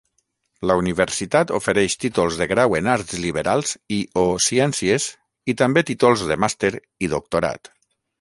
La universitat ofereix títols de grau en arts liberals i/o ciències i també títols de màster i doctorat.